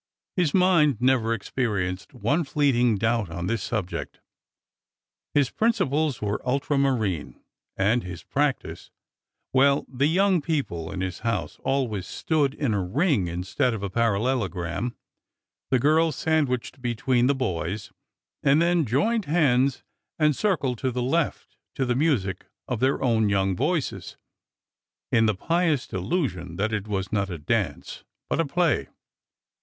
His mind never experienced one fleeting doubt on this subject. His principles were ultramarine, and his practice— well, the young people in his house always stood in a ring instead of a parallelogram, the girls sandwiched between the boys, and then joined hands and " circled to the left," to the music of their own young voices, in the pious delusion that it was not a dance but a play!